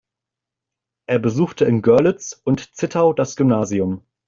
Er besuchte in Görlitz und Zittau das Gymnasium.